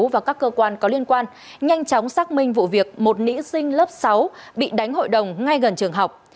và các cơ quan có liên quan nhanh chóng xác minh vụ việc một nữ sinh lớp sáu bị đánh hội đồng ngay gần trường học